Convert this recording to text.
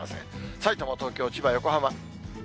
さいたま、東京、千葉、横浜。